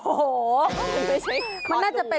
โอ้โห